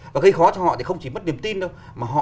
và gây khó cho họ thì không chỉ mất niềm tin đâu mà họ